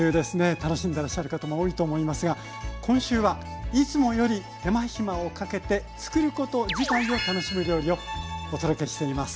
楽しんでらっしゃる方も多いと思いますが今週はいつもより手間暇をかけてつくること自体を楽しむ料理をお届けしています。